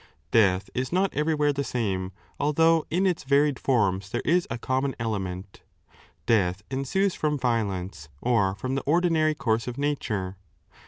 Death is not everywhere the same, although in its varied forms there is a common element. Death ensues from violence or from the ordinary course of nature.